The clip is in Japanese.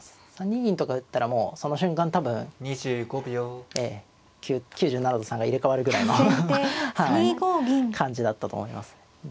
３二銀とか打ったらもうその瞬間多分９７と３が入れ代わるぐらいの感じだったと思います。